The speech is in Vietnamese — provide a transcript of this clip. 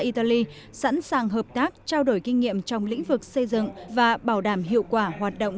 italy sẵn sàng hợp tác trao đổi kinh nghiệm trong lĩnh vực xây dựng và bảo đảm hiệu quả hoạt động